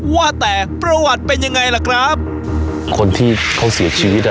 ว่าแต่ประวัติเป็นยังไงล่ะครับคนที่เขาเสียชีวิตอ่ะ